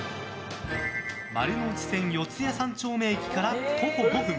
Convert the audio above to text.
丸ノ内線四谷三丁目駅から徒歩５分